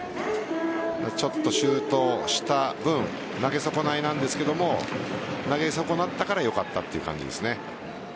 ちょっとシュートした分投げ損ないなんですが投げ損なったからよかったという感じですね。